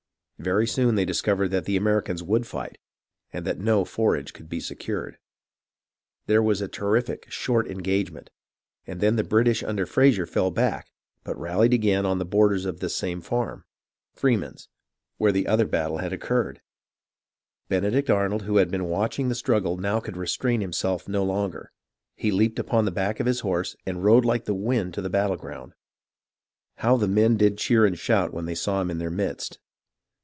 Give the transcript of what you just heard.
Very soon they discovered that the Americans would fight, and that no forage could be secured. There was a terrific, short engagement, and then the British under Fraser fell back, but rallied again on the borders of this same farm (Freeman's) where the other battle had occurred. Benedict Arnold, who had been watching the struggle, now could restrain himself no longer. He leaped upon the back of his horse, and rode like the wind to the battle ground. How the men did cheer and shout when they saw him in their midst